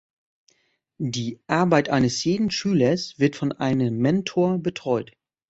Die Arbeit eines jeden Schülers wird von einem Mentor betreut.